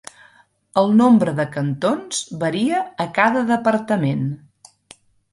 El nombre de cantons varia a cada departament.